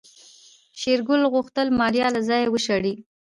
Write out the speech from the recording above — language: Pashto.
شېرګل غوښتل ماريا له ځايه وشړي.